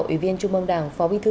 ủy viên trung mông đảng phó vi thư